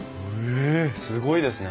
えすごいですね。